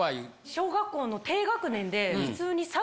小学校の低学年で、普通に３